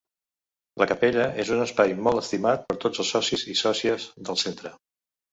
La Capella és un espai molt estimat per tots els socis i sòcies del Centre.